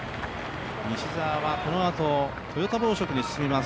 西澤はこのあと、トヨタ紡織に進みます。